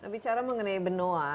bicara mengenai benoa